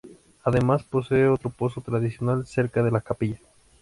Además posee otro pozo tradicional cerca de la capilla.